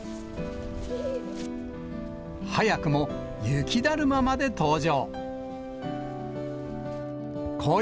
早くも雪だるままで登場。